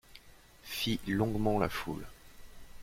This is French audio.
Fit longuement la foule.